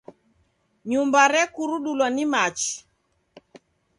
Nyumba rekurudulwa ni machi.